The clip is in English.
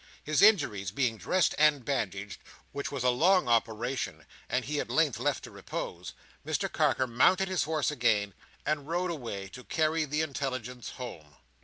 His injuries being dressed and bandaged, which was a long operation, and he at length left to repose, Mr Carker mounted his horse again, and rode away to carry the intelligence home.